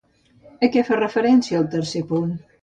A què fa referència el tercer punt?